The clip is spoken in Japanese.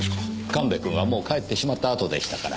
神戸君はもう帰ってしまったあとでしたから。